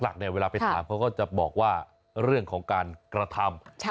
หลักเนี่ยเวลาไปถามเขาก็จะบอกว่าเรื่องของการกระทำ